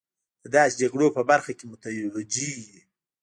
د داسې جګړو په برخه کې متوجه وي.